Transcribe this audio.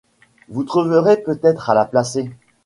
Vous trouverez peut-être à la placer.